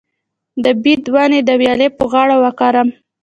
د بید ونې د ویالې په غاړه وکرم؟